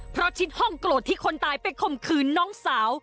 เพราะชิดห้องโกรธที่คนตายไปข่มขืนน้องสาว